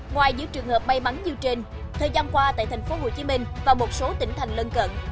ngoài những trường hợp may bắn như trên thời gian qua tại thành phố hồ chí minh và một số tỉnh thành lân cận